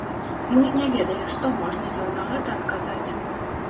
Мы не ведалі, што можна ёй на гэта адказаць.